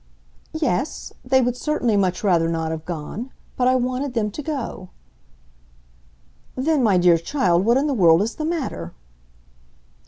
"Yes they would certainly much rather not have gone. But I wanted them to go." "Then, my dear child, what in the world is the matter?"